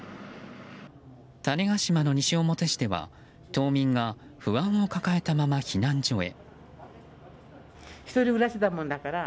種子島の西之表市では島民が不安を抱えたまま避難所へ。